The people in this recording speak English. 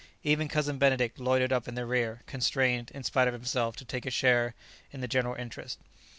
Even Cousin Benedict loitered up in the rear, constrained, in spite of himself, to take a share in the general interest.